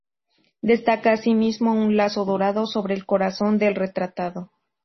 Destaca asimismo un lazo dorado sobre el corazón del retratado.